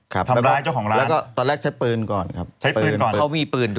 ทำร้ายเจ้าของร้านแล้วก็ตอนแรกใช้ปืนก่อนครับใช้ปืนก่อนเข้ามีปืนด้วย